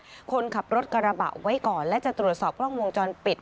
คนขับรถกระบะไว้ก่อนและจะตรวจสอบกล้องวงจรปิด